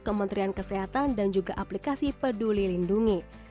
kementerian kesehatan dan juga aplikasi peduli lindungi